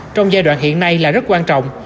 trong giai đoạn hiện nay là rất quan trọng